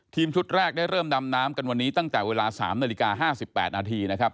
ชุดแรกได้เริ่มดำน้ำกันวันนี้ตั้งแต่เวลา๓นาฬิกา๕๘นาทีนะครับ